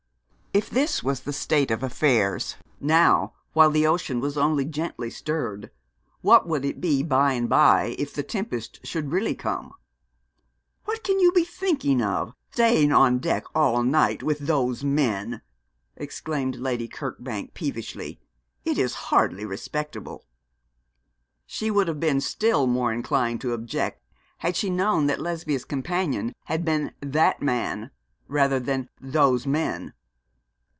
If this was the state of affairs now while the ocean was only gently stirred, what would it be by and by if the tempest should really come? 'What can you be thinking of, staying on deck all night with those men?' exclaimed Lady Kirkbank, peevishly. 'It is hardly respectable.' She would have been still more inclined to object had she known that Lesbia's companion had been 'that man' rather than 'those men.'